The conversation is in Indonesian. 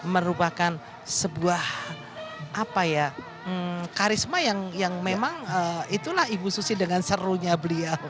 merupakan sebuah karisma yang memang itulah ibu susi dengan serunya beliau